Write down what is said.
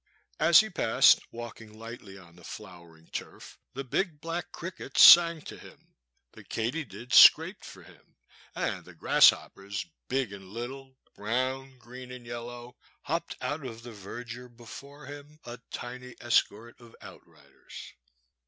As he passed, walking lightly on the flowering turf, the big black crickets sang to him, the katy The Boy^s Sister. 235 dids scraped for him, and the g^rasshoppers, big and little, brown, green, and yellow, hopped out of the verdure before him, a tiny escort of out riders.